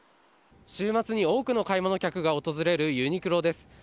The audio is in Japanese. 週末に多くの買い物客が訪れるユニクロです。